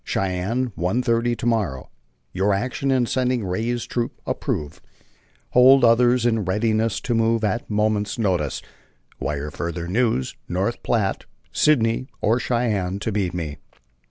Cheyenne 1:30 to morrow. Your action in sending Ray's troop approved. Hold others in readiness to move at a moment's notice. Wire further news North Platte, Sidney or Cheyenne to meet me."